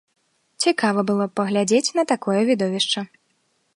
Цікава было б паглядзець на такое відовішча!